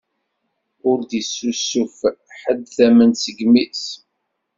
Ur d-issusuf ḥedd tament seg imi-s.